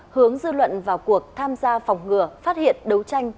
hướng dư luận vào cuộc tham gia phòng ngừa phát hiện đấu tranh